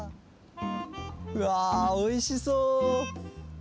うわおいしそう！